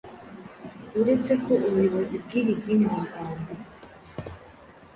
uretse ko ubuyobozi bw’iri dini mu Rwanda